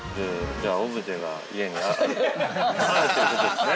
◆オブジェが家にあるということですね？